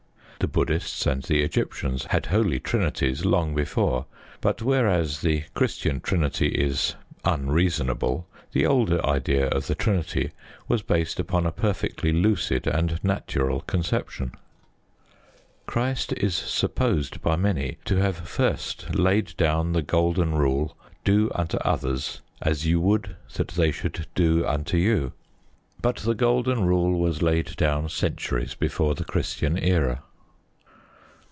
The Buddhists and the Egyptians had Holy Trinities long before. But whereas the Christian Trinity is unreasonable, the older idea of the Trinity was based upon a perfectly lucid and natural conception. Christ is supposed by many to have first laid down the Golden Rule, "Do unto others as you would that they should do unto you." But the Golden Rule was laid down centuries before the Christian era.